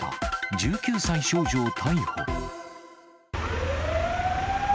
１９歳少女を逮捕。